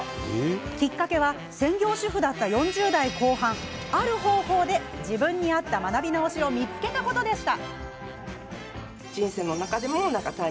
きっかけは専業主婦だった４０代後半ある方法で自分に合った学び直しを見つけたことでした。